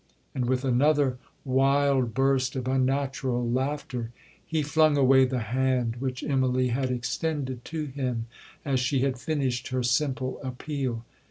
and with another wild burst of unnatural laughter, he flung away the hand which Immalee had extended to him as she had finished her simple appeal.